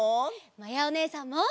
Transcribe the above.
まやおねえさんも！